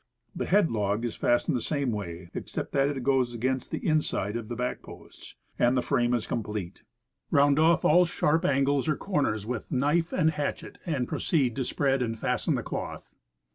The head log is fastened the same way, except that it goes against the inside of the back posts; and the frame is complete. Round off all sharp angles or cor ners with knife and hatchet, and proceed to spread and fasten the cloth.